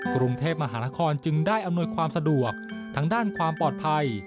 กรุงเทพมหานครจึงได้อำนวยความสะดวกทางด้านความปลอดภัย